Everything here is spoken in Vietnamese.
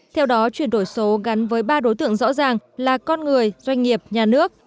theo đó chuyển đổi số gắn với ba đối tượng rõ ràng là con người doanh nghiệp nhà nước